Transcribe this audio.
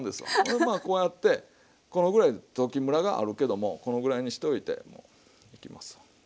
まあこうやってこのぐらい溶きむらがあるけどもこのぐらいにしといていきますわ。